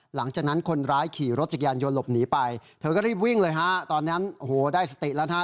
หลังจากนั้นคนร้ายขี่รถจักรยานยนต์หลบหนีไปเธอก็รีบวิ่งเลยฮะตอนนั้นโอ้โหได้สติแล้วนะฮะ